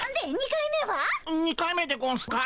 ２回目でゴンスか？